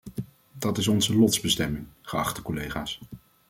Dat is onze lotsbestemming, geachte collega's.